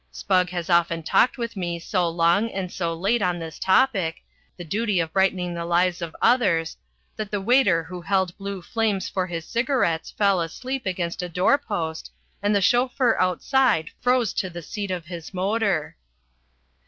Spugg has often talked with me so long and so late on this topic the duty of brightening the lives of others that the waiter who held blue flames for his cigarettes fell asleep against a door post, and the chauffeur outside froze to the seat of his motor.